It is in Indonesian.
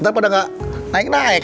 ntar pada gak naik naik